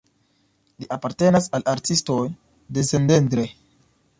Li apartenas al artistoj de Szentendre.